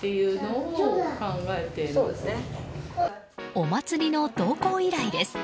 お祭りの同行依頼です。